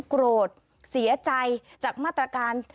โกรธเสียใจจากมาตรการ